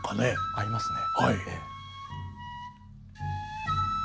合いますね。